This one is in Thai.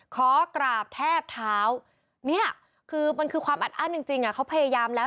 ขอกราบแทบเท้าเนี่ยคือมันคือความอัดอั้นจริงเขาพยายามแล้ว